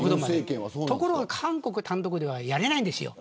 ところが韓国単独ではやれない。